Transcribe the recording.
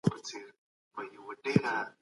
ایثار او قرباني وکړئ.